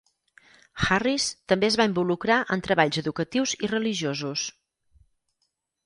Harris també es va involucrar en treballs educatius i religiosos.